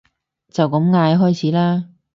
就咁嗌開始啦